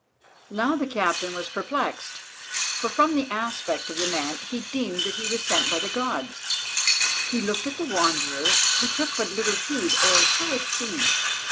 Now the captain was perplexed, for from the aspect of the man he deemed that he was sent by the Gods. He looked at the Wanderer, who took but little heed, or so it seemed.